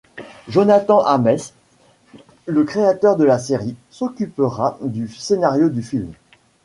Jonathan Ames, le créateur de la série, s'occupera du scénario du film.